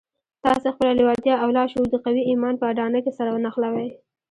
تاسې خپله لېوالتیا او لاشعور د قوي ايمان په اډانه کې سره نښلوئ.